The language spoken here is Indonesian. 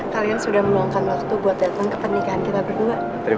kalian sudah meluangkan waktu buat datang ke pernikahan kita berdua